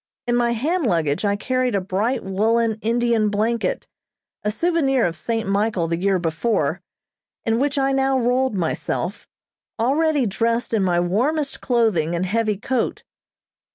In my hand luggage I carried a bright woolen Indian blanket, a souvenir of St. Michael the year before, in which I now rolled myself, already dressed in my warmest clothing and heavy coat.